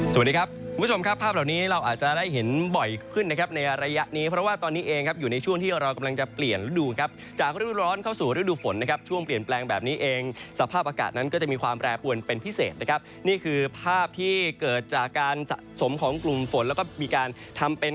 สวัสดีครับคุณผู้ชมครับภาพเหล่านี้เราอาจจะได้เห็นบ่อยขึ้นนะครับในระยะนี้เพราะว่าตอนนี้เองครับอยู่ในช่วงที่เรากำลังจะเปลี่ยนฤดูครับจากฤดูร้อนเข้าสู่ฤดูฝนนะครับช่วงเปลี่ยนแปลงแบบนี้เองสภาพอากาศนั้นก็จะมีความแปรปวนเป็นพิเศษนะครับนี่คือภาพที่เกิดจากการสะสมของกลุ่มฝนแล้วก็มีการทำเป็น